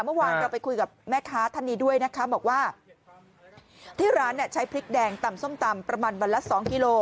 เมื่อวานเราไปคุยกับแม่ค้าท่านนี้ด้วยนะคะบอกว่าที่ร้านใช้พริกแดงตำส้มตำประมาณวันละ๒กิโล